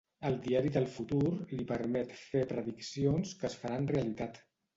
El diari del futur li permet fer prediccions que es faran realitat.